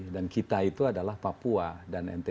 dan kita itu adalah papua dan ntt